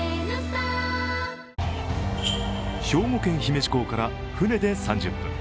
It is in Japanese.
兵庫県・姫路港から船で３０分。